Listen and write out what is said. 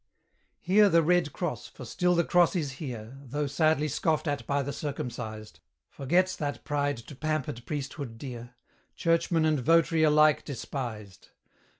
Here the red cross, for still the cross is here, Though sadly scoffed at by the circumcised, Forgets that pride to pampered priesthood dear; Churchman and votary alike despised.